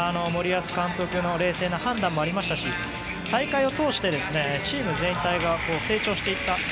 森保監督の冷静な判断もありましたし大会を通してチーム全体が成長していった。